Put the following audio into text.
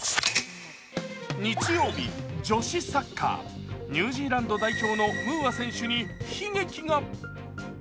日曜日、女子サッカー、ニュージーランド代表のムーア選手に悲劇が。